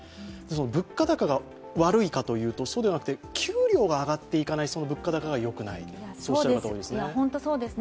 物価高が悪いかというとそうではなくて給料が上がっていかないその物価高がよくない、そうおっしゃる方が多いですね。